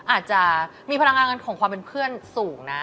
อาจจะมีพลังงานของความเป็นเพื่อนสูงนะ